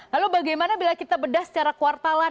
lalu bagaimana bila kita bedah secara kuartalan